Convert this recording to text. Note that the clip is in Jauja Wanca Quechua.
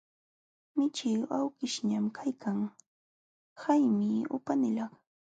Michii awkishñam kaykan, haymi upanilaq.